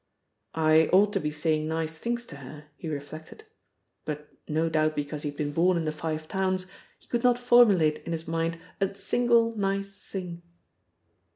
"I ought to be saying nice things to her," he reflected; but, no doubt because he had been born in the Five Towns, he could not formulate in his mind a single nice thing.